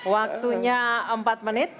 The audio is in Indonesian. waktunya empat menit